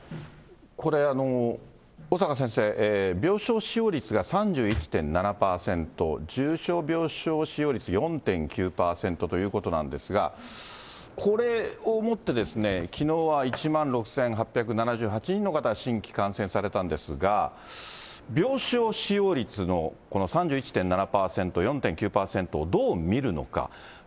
これ、小坂先生、病床使用率が３１．７％、重症病床使用率４．９％ということなんですが、これをもって、きのうは１万６８７８人の方、新規感染されたんですが、病床使用率のこの３１．７％、４．９％、どう見るのか。